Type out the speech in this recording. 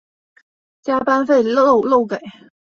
加班费漏给